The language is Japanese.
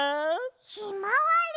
ひまわり！